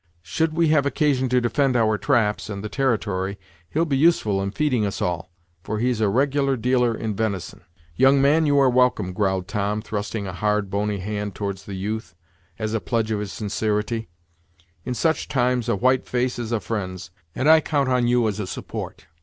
Should we have occasion to defend our traps, and the territory, he'll be useful in feeding us all; for he's a reg'lar dealer in ven'son." "Young man, you are welcome," growled Tom, thrusting a hard, bony hand towards the youth, as a pledge of his sincerity; "in such times, a white face is a friend's, and I count on you as a support.